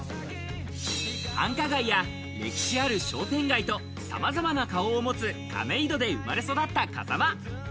繁華街や歴史ある商店街と様々な顔を持つ亀戸で生まれ育った風間。